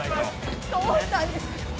どうしたんです！？